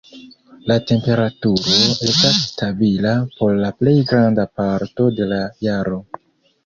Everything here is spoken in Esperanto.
La temperaturo estas stabila por la plej granda parto de la jaro.